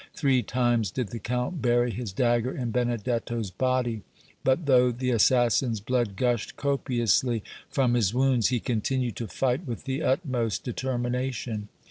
Three times did the Count bury his dagger in Benedetto's body, but, though the assassin's blood gushed copiously from his wounds, he continued to fight with the utmost determination.